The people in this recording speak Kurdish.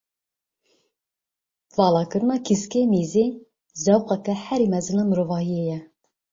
Valakirina kîsikê mîzê, zewqeke herî mezin a mirovahiyê ye.